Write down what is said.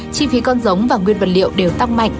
chi phí con giống và nguyên vật liệu đều tăng mạnh